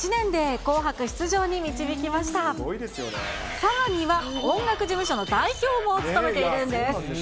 さらには、音楽事務所の代表も務めているんです。